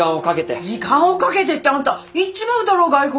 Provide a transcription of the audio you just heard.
時間をかけてってあんた行っちまうだろ外国！